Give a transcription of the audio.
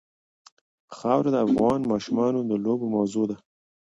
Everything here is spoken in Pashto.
خاوره د افغان ماشومانو د لوبو موضوع ده.